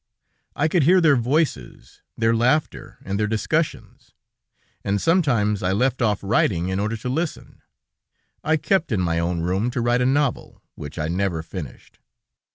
I could hear their voices, their laughter, and their discussions, and sometimes I left off writing in order to listen. I kept in my own room to write a novel which I never finished.